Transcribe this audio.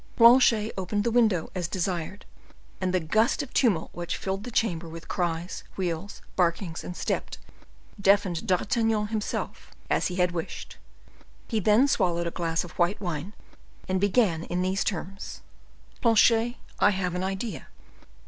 Planchet opened the window as desired, and the gust of tumult which filled the chamber with cries, wheels, barkings, and steps deafened D'Artagnan himself, as he had wished. He then swallowed a glass of white wine, and began in these terms: "Planchet, I have an idea."